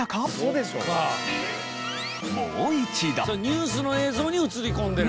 ニュースの映像に映り込んでる。